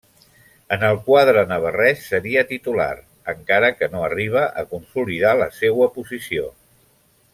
En el quadre navarrès seria titular, encara que no arriba a consolidar la seua posició.